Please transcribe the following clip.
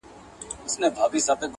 هغه نجلۍ مي اوس پوښتنه هر ساعت کوي.